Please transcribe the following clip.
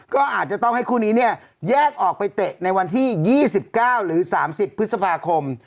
ก็อาจจะต้องให้คู่นี้เนี่ยแยกออกไปเตะในวันที่๒๙หรือ๓๐พฤษภาคม